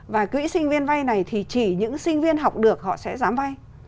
và quỹ sinh viên vay này thì chỉ những sinh viên học được họ sẽ dám vay